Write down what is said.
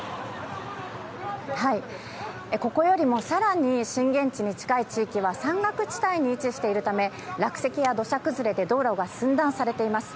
ここよりも更に震源地に近い地域は山岳地帯に位置しているため落石や土砂崩れで道路が寸断されています。